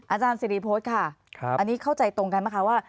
อาจารย์ซีรีส์โพสต์ค่ะครับอันนี้เข้าใจตรงกันไหมคะว่า